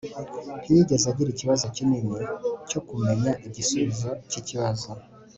ntiyigeze agira ikibazo kinini cyo kumenya igisubizo cyikibazo